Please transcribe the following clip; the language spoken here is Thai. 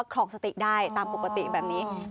ครองสติได้ตามปกติแบบนี้